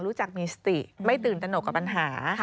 รู้จักมีสติไม่ตื่นตนกกับปัญหา